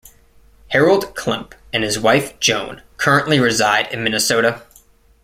Harold Klemp and his wife, Joan, currently reside in Minnesota.